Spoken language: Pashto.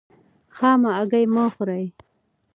خامه هګۍ مه خورئ.